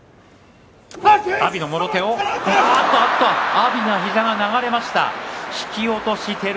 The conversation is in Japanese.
阿炎の膝が流れました。